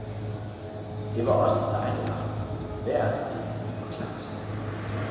det var også en dejlig aften, vejret stille og klart.